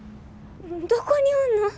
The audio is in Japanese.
どこにおんの？